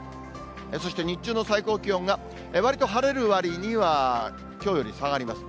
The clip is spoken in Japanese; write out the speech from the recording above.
そして日中の最高気温が、わりと晴れるわりには、きょうより下がります。